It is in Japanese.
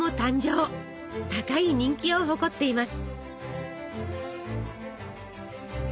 高い人気を誇っています。